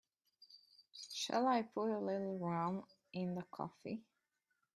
Shall I put a little rum in the coffee?